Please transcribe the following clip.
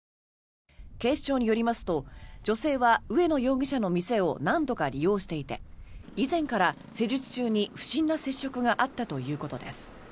警視庁によりますと女性は上野容疑者の店を何度か利用していて以前から施術中に不審な接触があったということです。